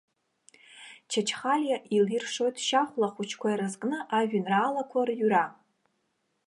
Чачхалиа илиршоит шьахәла ахәыҷқәа ирызкны ажәеинраалақәа рыҩра.